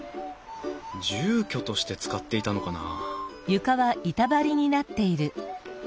住居として使っていたのかな？